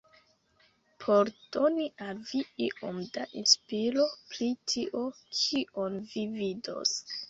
Por doni al vi iom da inspiro pri tio, kion vi vidos